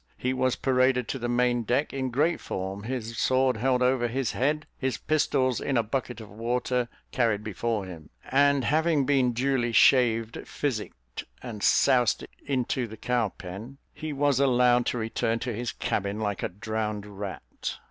He was paraded to the main deck in great form, his sword held over his head; his pistols, in a bucket of water, carried before him; and having been duly shaved, physicked, and soused into the cow pen, he was allowed to return to his cabin, like a drowned rat.